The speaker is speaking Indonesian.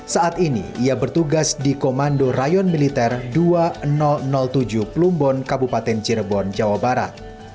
saat ini ia bertugas di komando rayon militer dua ribu tujuh plumbon kabupaten cirebon jawa barat